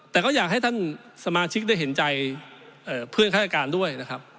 แต่ก็อยากให้ท่านสมาชิกได้เห็นใจเพื่อนข้าราชการด้วยนะครับ